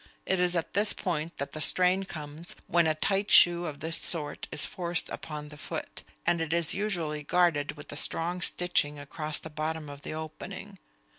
It is at this point that the strain comes when a tight shoe of this sort is forced upon the foot, and it is usually guarded with a strong stitching across the bottom of the opening.